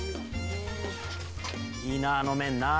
いいなあの麺な。